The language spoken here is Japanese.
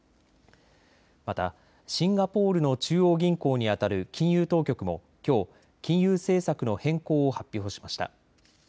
また、シンガポールの中央銀行にあたる金融当局もきょう、金融政策の変更を発表しました。